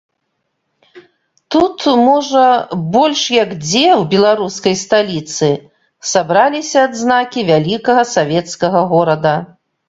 Тут, можа, больш як дзе ў беларускай сталіцы, сабраліся адзнакі вялікага савецкага горада.